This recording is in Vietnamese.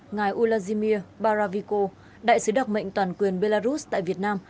ngài ulazimir baraviko đại sứ đặc mệnh toàn quyền belarus tại việt nam